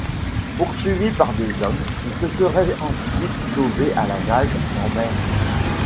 Poursuivi par des hommes, il se serait ensuite sauvé à la nage, en mer.